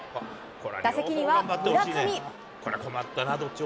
打席には村上。